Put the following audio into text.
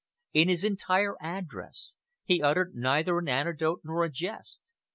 In his entire address he uttered neither an anecdote nor a jest.